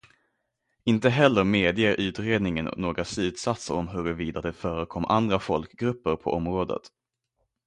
Inte heller medger utredningen några slutsatser om huruvida det förekom andra folkgrupper på området.